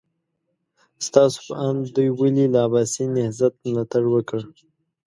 ستاسو په اند دوی ولې له عباسي نهضت ملاتړ وکړ؟